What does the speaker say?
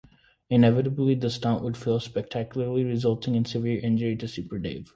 Inevitably, the stunt would fail spectacularly, resulting in severe injury to Super Dave.